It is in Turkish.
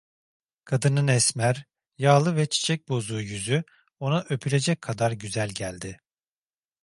Kadının esmer, yağlı ve çiçekbozuğu yüzü ona öpülecek kadar güzel geldi.